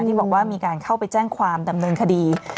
ที่บอกว่ามีการเข้าไปแจ้งความดำเนินคดี